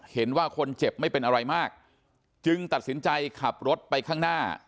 เห็นว่าคนเจ็บไม่เป็นอะไรมากจึงตัดสินใจขับรถไปข้างหน้า